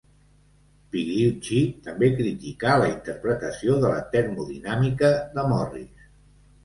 Pigliucci també criticà la interpretació de la termodinàmica de Morris.